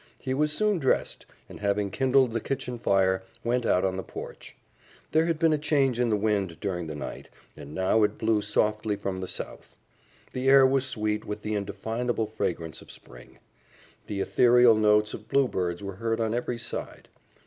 He was soon dressed, and having kindled the kitchen fire, went out on the porch. There had been a change in the wind during the night, and now it blew softly from the south. The air was sweet with the indefinable fragrance of spring. The ethereal notes of bluebirds were heard on every side.